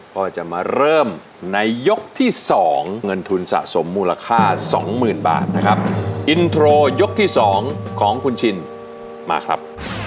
ก็จะมาเริ่มในยกที่สองเงินทุนสะสมมูลค่าสองหมื่นบาทนะครับอินโทรยกที่สองของคุณชินมาครับ